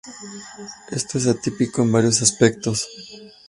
Esto es atípico en varios aspectos.